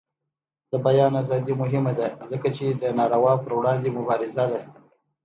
د بیان ازادي مهمه ده ځکه چې د ناروا پر وړاندې مبارزه ده.